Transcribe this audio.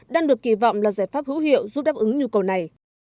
đang được kỳ vọng là giải pháp hữu hiệu giúp đáp ứng nhu cầu này